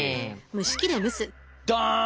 どん！